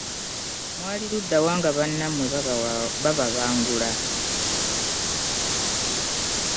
Mwali ludda wa nga bannammwe bababangula?